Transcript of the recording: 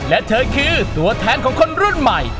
และเธอคือตัวแทนของคนรุ่นใหม่